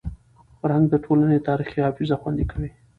فرهنګ د ټولني تاریخي حافظه خوندي کوي.